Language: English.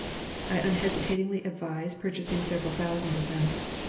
I unhesitatingly advise purchasing several thousand of them